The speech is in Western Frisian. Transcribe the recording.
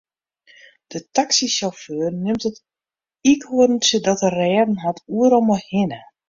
De taksysjauffeur nimt it iikhoarntsje dat er rêden hat oeral mei hinne.